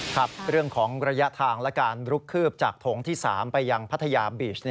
ครับเรื่องของระยะทางและการลุกคืบจากโถงที่๓ไปยังพัทยาบีช